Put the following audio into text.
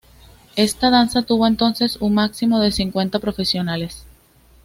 Esta danza tuvo entonces un máximo de cincuenta profesionales.